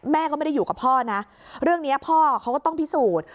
แม่ก็ไม่ได้อยู่กับพ่อนะเรื่องนี้พ่อเขาก็ต้องพิสูจน์